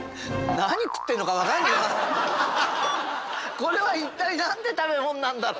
これは一体何て食べ物なんだろう？